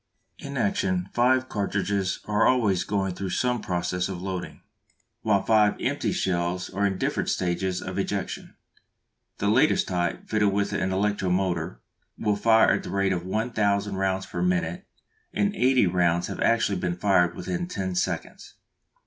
In action five cartridges are always going through some process of loading, while five empty shells are in different stages of ejection. The latest type, fitted with an electro motor, will fire at the rate of one thousand rounds per minute, and eighty rounds have actually been fired within ten seconds!